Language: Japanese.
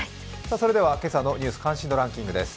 それでは今朝の「ニュース関心度ランキング」です